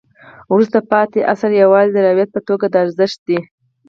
وروسته پاتې عصر یوازې د روایت په توګه د ارزښت دی.